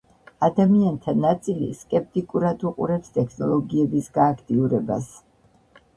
ადამიანთა ნაწილი სკეპტიკურად უყურებს ტექნოლოგიების გააქტიურებას